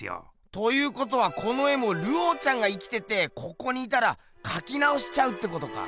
ということはこの絵もルオーちゃんが生きててここにいたらかきなおしちゃうってことか。